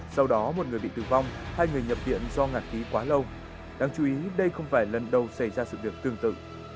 sau đó một người bị tử vong hai người nhập viện do ngạt khí quá lâu đáng chú ý đây không phải lần đầu xảy ra sự việc tương tự